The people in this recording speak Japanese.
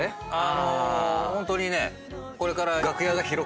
ホントにね。